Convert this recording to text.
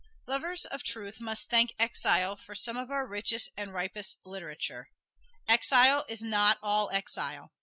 Lovers of truth must thank exile for some of our richest and ripest literature. Exile is not all exile.